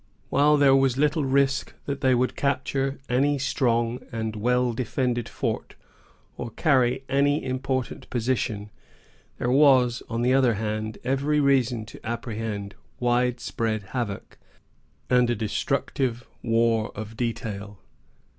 While there was little risk that they would capture any strong and well defended fort, or carry any important position, there was, on the other hand, every reason to apprehend wide spread havoc, and a destructive war of detail.